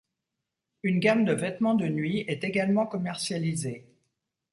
Une gamme de vêtements de nuit est également commercialisée.